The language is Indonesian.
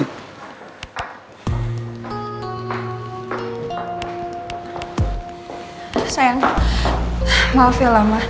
ini udah lama udah lama